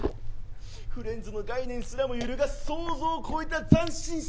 フレンズの概念すらも揺るがす想像を超えた斬新さ。